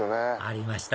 ありました